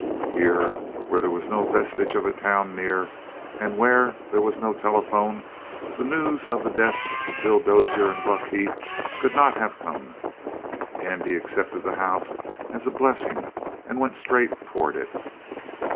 Here, where there was no vestige of a town near, and where there was no telephone, the news of the deaths of Bill Dozier and Buck Heath could not have come. Andy accepted the house as a blessing and went straight toward it.